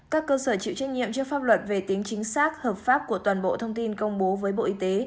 các cơ sở chịu trách nhiệm trước pháp luật về tính chính xác hợp pháp của toàn bộ thông tin công bố với bộ y tế